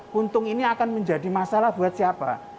puntung ini akan menjadi masalah buat siapa